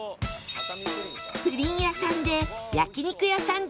プリン屋さんで焼肉屋さん